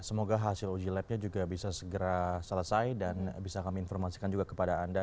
semoga hasil uji labnya juga bisa segera selesai dan bisa kami informasikan juga kepada anda